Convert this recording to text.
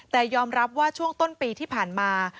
แต่ยอมรับว่าช่วงต้นปีที่ผ่านมา